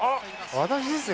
私ですね